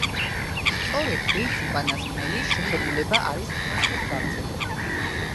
სწორედ ეს უკანასკნელი შეხედულება არის ფართოდ გავრცელებული.